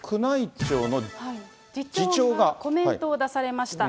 次長がコメントを出されました。